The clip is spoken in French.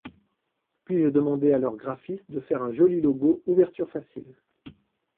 Puis j’ai demandé à leurs graphistes de faire un joli logo « ouverture facile ».